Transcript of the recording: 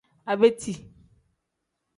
Abeti.